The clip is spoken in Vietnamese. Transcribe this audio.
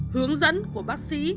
hướng dẫn của bác sĩ